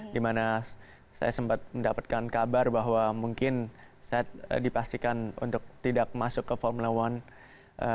dimana saya sempat mendapatkan kabar bahwa mungkin saya dipastikan untuk tidak masuk ke formula one